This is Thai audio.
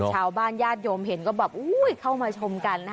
ชาวบ้านญาติโยมเห็นก็เข้ามาชมกัน